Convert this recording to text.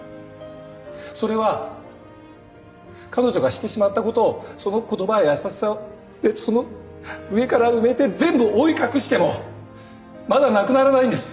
それは彼女がしてしまったことをその言葉や優しさでその上から埋めて全部覆い隠してもまだなくならないんです。